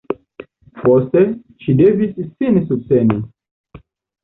Poste, ŝi devis sin subteni.